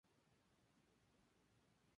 Las Bahamas sirvieron de refugio a piratas.